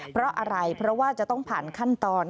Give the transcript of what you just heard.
เพราะอะไรเพราะว่าจะต้องผ่านขั้นตอน